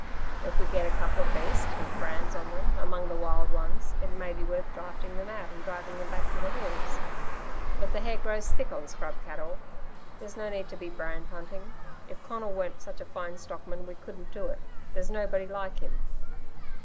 If we get a couple of beasts with brands on them, among the wild ones, it may be worth drafting them out and driving them back to the hills. But the hair grows thick on scrub cattle; there's no need to be brand hunting. If Conal weren't such a fine stockman, we couldn't do it. There's nobody like him.